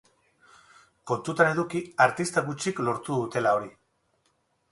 Kontuan eduki artista gutxik lortu dutela hori.